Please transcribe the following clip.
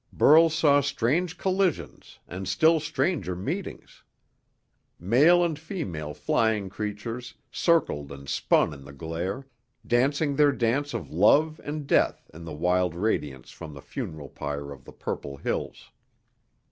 Burl saw strange collisions and still stranger meetings. Male and female flying creatures circled and spun in the glare, dancing their dance of love and death in the wild radiance from the funeral pyre of the purple hills.